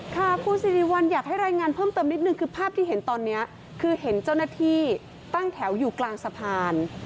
ค่ะคุณสิริวัลอยากให้รายงานเพิ่มเติมนิดนึงคือภาพที่เห็นตอนนี้คือเห็นเจ้าหน้าที่ตั้งแถวอยู่กลางสะพาน